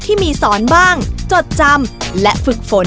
พี่ดาขายดอกบัวมาตั้งแต่อายุ๑๐กว่าขวบ